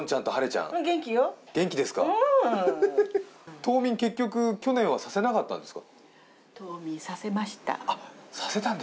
冬眠、結局去年はさせなかったんですか？